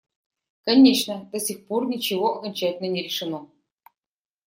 Конечно, до сих пор ничего окончательно не решено.